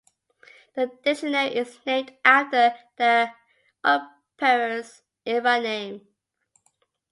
The dictionary is named after the Emperor's era name.